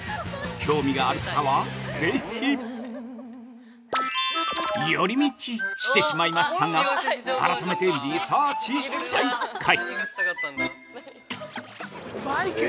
興味がある方はぜひ！寄り道してしまいましたが、改めてリサーチ再開。